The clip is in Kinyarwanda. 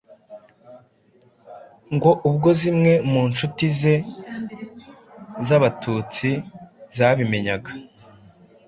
Ngo ubwo zimwe mu nshuti ze z'Abatutsi zabimenyaga,